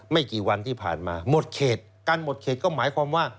ไม่กี่วันที่ผ่านมาหมดเขตการหมดเขตก็หมายความว่า